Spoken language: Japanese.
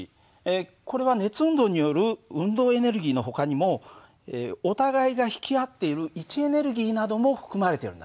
これは熱運動による運動エネルギーのほかにもお互いが引き合っている位置エネルギーなども含まれてるんだね。